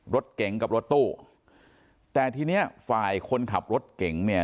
รถเก๋งกับรถตู้แต่ทีเนี้ยฝ่ายคนขับรถเก่งเนี่ย